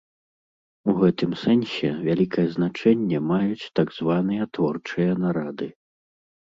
У гэтым сэнсе вялікае значэнне маюць так званыя творчыя нарады.